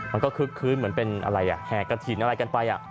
มันก็คึกคืนเหมือนเป็นแห่กระถิ่นอะไรกันไป